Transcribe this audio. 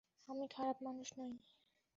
আমি খারাপ মানুষ নই।